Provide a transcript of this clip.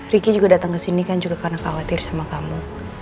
riki juga dateng kesini kan juga karena khawatir sama kamu